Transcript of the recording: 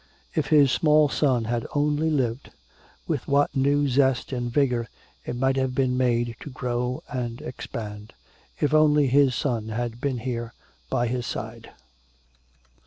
If his small son had only lived, with what new zest and vigor it might have been made to grow and expand. If only his son had been here by his side....